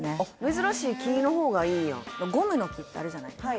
珍しい木の方がいいんやゴムの木ってあるじゃないですか